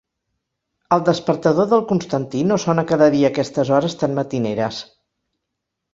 El despertador del Constantí no sona cada dia a aquestes hores tan matineres.